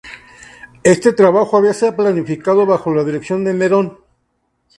Este trabajo había sido planificado bajo la dirección de Nerón.